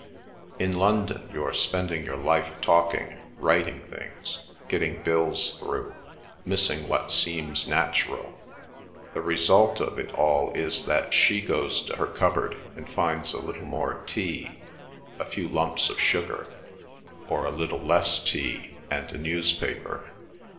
"In London you're spending your life, talking, writing things, getting bills through, missing what seems natural. The result of it all is that she goes to her cupboard and finds a little more tea, a few lumps of sugar, or a little less tea and a newspaper.